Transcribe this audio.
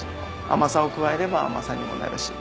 甘さを加えれば甘さにもなるし。